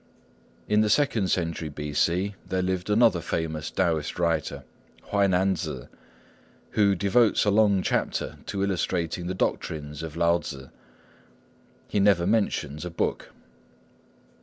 In the second century B.C. there lived another famous Taoist writer, Huai nan Tzŭ, who devotes a long chapter to illustrating the doctrines of Lao Tzŭ. He never mentions a book.